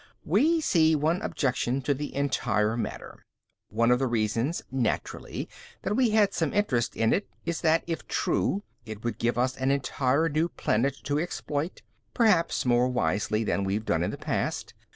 "We see one objection to the entire matter. One of the reasons, naturally, that we had some interest in it is that, if true, it would give us an entire new planet to exploit, perhaps more wisely than we've done in the past.